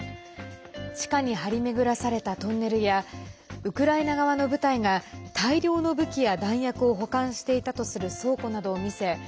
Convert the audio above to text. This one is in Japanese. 地下に張り巡らされたトンネルやウクライナ側の部隊が大量の武器や弾薬を保管していたとする倉庫などを見せ